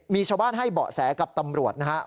มีชาวบ้านให้เบาะแสกับตำรวจนะครับ